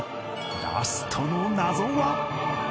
ラストの謎は